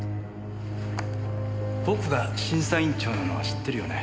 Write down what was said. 僕が審査員長なのは知ってるよね。